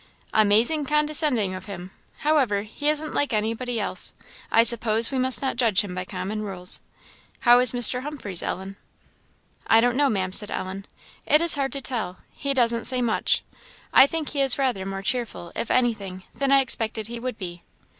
"Amazing condescending of him! However, he isn't like anybody else; I suppose we must not judge him by common rules. How is Mr. Humphreys, Ellen?" "I don't know Ma'am," said Ellen; "it is hard to tell; he doesn't say much. I think he is rather more cheerful, if anything, than I expected he would be."